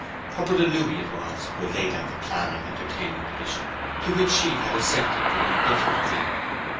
Her brother Louis it was who had laid out the plan of entertaining the Bishop, to which she had assented but indifferently.